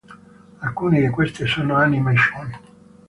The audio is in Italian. Alcune di queste sono anime shōnen.